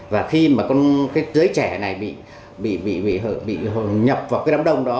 và khi mà con cái giới trẻ này bị nhập vào cái đám đông đó